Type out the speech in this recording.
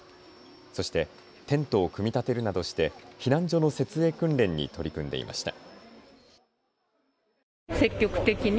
そして、テントを組み立てるなどして避難所の設営訓練に取り組んでいました。